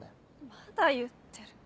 まだ言ってる。